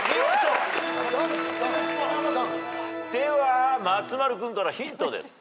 では松丸君からヒントです。